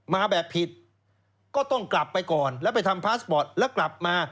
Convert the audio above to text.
มาแบบผิดก็ต้องกลับไปก่อนแล้วไปทำพาสปอร์ตแล้วกลับมา